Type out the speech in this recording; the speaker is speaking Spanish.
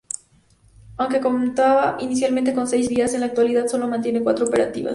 Aunque contaba inicialmente con seis vías en la actualidad solo mantiene cuatro operativas.